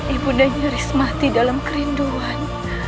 ibunda nyaris mati dalam kerinduan